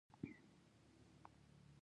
د بېوزلو هېوادونو له وسې پورته خبره ده.